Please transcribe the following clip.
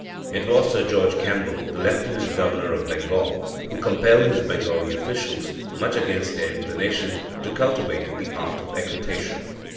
It was Sir George Campbell, the Lieutenant Governor of Bengal, who compelled his Bengali officials, much against their inclination, to cultivate the art of equitation.